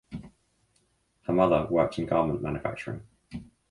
Her mother worked in garment manufacturing.